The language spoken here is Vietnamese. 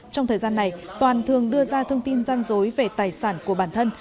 trong thời gian này toàn thường đưa ra thông tin gian dối về tài sản của bản thân